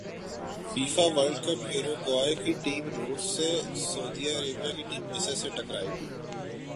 FIFA world cup Uruguay کی team روس سے سعودی عرب کی ٹیم مصر سے ٹکرائے گی